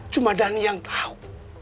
cuma dhani yang tau